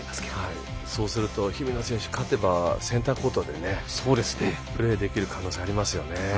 そうすると、日比野選手は勝てばセンターコートでプレーできる可能性がありますね。